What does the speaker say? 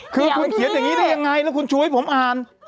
คือคุณเขียนอย่างนี้ได้ยังไงแล้วคุณชูให้ผมอ่าน